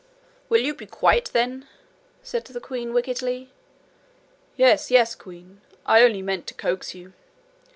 'Will you be quiet, then?' said the queen wickedly. 'Yes, yes, queen. I only meant to coax you.'